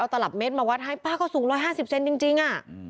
เอาตลับเมฆมาวัดให้ป๊าก็สูง๑๕๐เซนติลโหว์จริง